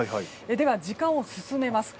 では、時間を進めます。